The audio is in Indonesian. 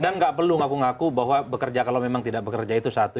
nggak perlu ngaku ngaku bahwa bekerja kalau memang tidak bekerja itu satu